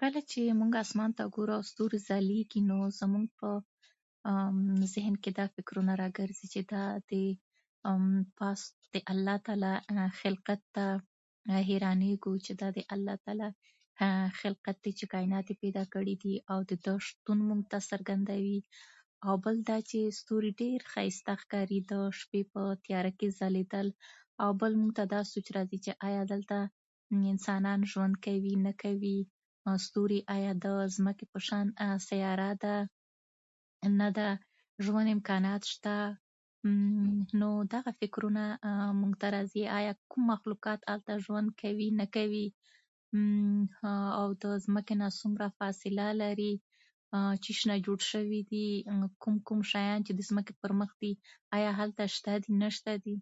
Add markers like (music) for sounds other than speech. کله چې موږ اسمان ته ګورو او ستوري ځلېږي، نو زموږ په ذهن کې دا فکرونه راګرځي چې دا د الله تعالی خلقت ده. هیرانېږو د الله خلقت ته، چې کاینات یې پیدا کړي دي، او د ده شتون موږ ته راڅرګندوي. او بل دا چې ستوري ډېر ښایسته ښکاري، د شپې په تیاره کې ځلېدل. او بل موږ ته دا سوچ راکوي چې ایا دلته انسانان ژوند کوي، نه کوي؟ او ستوري ایا د ځمکې په شان سیاره ده، نه ده؟ ژوند امکانات شته، نه؟ (hesitation) او دغه فکرونه موږ ته راکوي: ایا کوم مخلوقات هلته ژوند کوي، نه کوي؟ او د ځمکې نه څومره فاصله لري؟ څه شي نه جوړ شوي دي؟ کوم کوم شیان چې د ځمکې پرمخ وي، هلته شته دي، نه شته دي؟